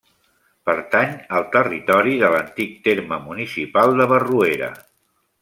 Pertany al territori de l'antic terme municipal de Barruera.